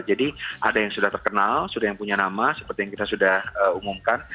jadi ada yang sudah terkenal sudah yang punya nama seperti yang kita sudah umumkan